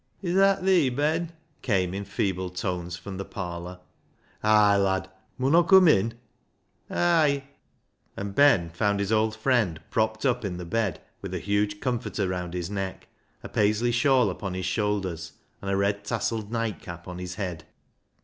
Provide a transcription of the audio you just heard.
"Is that thee, Ben?" came in feeble tones from the parlour. " Ay, lad. Mun Aw come in ?"" Ay." 364 BECKSIDE LIGHTS And Ben found his old friend propped up in the bed with a huge comforter round his neck, a Paisley shawl upon his shoulders, and a red tasselled nightcap on his head.